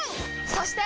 そして！